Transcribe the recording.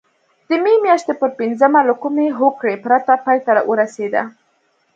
د مې میاشتې پر پینځمه له کومې هوکړې پرته پای ته ورسېده.